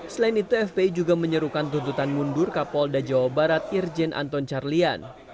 selain itu fpi juga menyerukan tuntutan mundur kapolda jawa barat irjen anton carlian